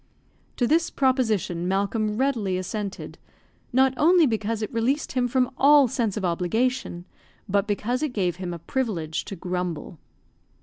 To this proposition Malcolm readily assented, not only because it released him from all sense of obligation, but because it gave him a privilege to grumble.